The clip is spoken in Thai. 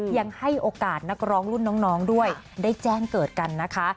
ยังให้โอกาสนักร้องรุ่นน้องด้วยได้แจ้งเกิดกันนะคะ